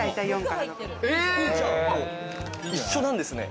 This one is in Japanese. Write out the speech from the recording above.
一緒なんですね。